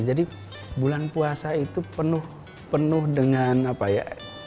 jadi bulan puasa itu penuh penuh dengan apa ya